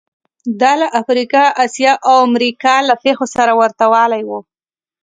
دا له افریقا، اسیا او امریکا کې له پېښو سره ورته والی و